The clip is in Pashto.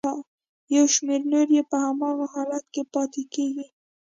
یو شمېر نورې یې په هماغه حالت کې پاتې کیږي.